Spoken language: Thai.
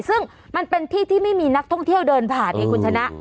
ซึ่งมันเป็นที่ที่ไม่มีนักท่องเที่ยวเดินผ่านเองคุณชนะ